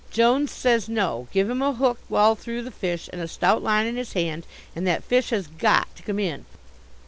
Jones says no: give him a hook well through the fish and a stout line in his hand and that fish has got to come in.